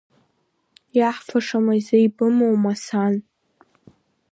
Иаҳфаша мазеи бымоума, сан?